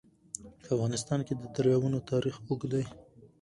په افغانستان کې د دریابونه تاریخ اوږد دی.